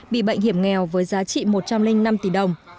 bị bệnh hiểm nghèo với giá trị một trăm linh năm tỷ đồng